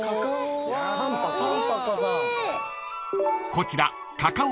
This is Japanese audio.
［こちら］